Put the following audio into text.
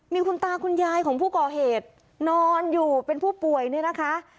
มีคุณตาคุณยายของผู้ก่อเหตุนอนอยู่เป็นผู้ป่วยเนี่ยนะคะ